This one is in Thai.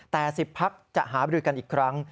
แต่๑๐พักจะหาบริกันอีกครั้ง